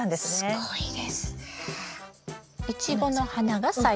すごいですね。